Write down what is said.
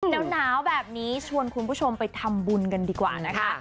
หนาวแบบนี้ชวนคุณผู้ชมไปทำบุญกันดีกว่านะคะ